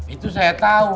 itu saya tau